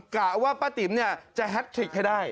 กะว่าป้าติ๋มจะแฮทริกให้ได้